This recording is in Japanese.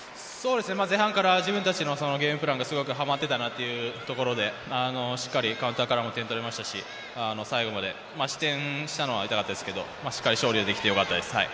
前半から自分たちのゲームプランがすごくはまっていたなというところでしっかりカウンターからも点を取れましたし、最後まで、失点したのは痛かったですけどしっかり勝利できてよかったです。